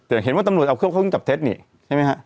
แต่เห็นว่าตำรวจเอาเครื่องเข้าเครื่องจับเท็จนี่ใช่ไหมฮะ